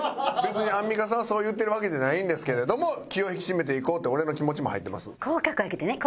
別にアンミカさんがそう言ってるわけじゃないんですけれども気を引き締めていこうって俺の気持ちも入ってます。